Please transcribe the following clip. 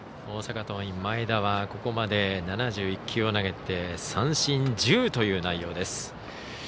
大阪桐蔭、前田はここまで７１球を投げて三振１０という内容です。